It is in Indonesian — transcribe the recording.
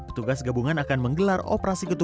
petugas gabungan akan menggelar operasi ketum